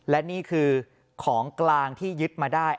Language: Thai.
และนี่คือของกลางที่ยึดมาได้